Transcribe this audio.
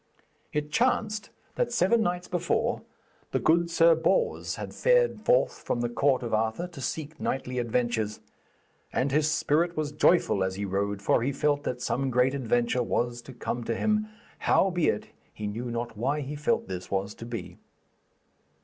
It chanced that seven nights before, the good Sir Bors had fared forth from the court of Arthur to seek knightly adventures. And his spirit was joyful as he rode, for he felt that some great adventure was to come to him, howbeit he knew not why he felt this was to be.